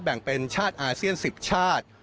แบ่งเป็นชาติอาเซียน๑๐ชาติ